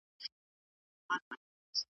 نقاش د بل سپرلي په تمه ناست دی